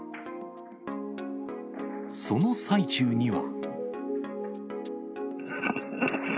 その最中には。